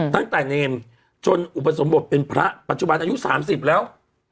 ตั้งแต่เนรจนอุปสรมบทเป็นพระปัจจุบันอายุสามสิบแล้ว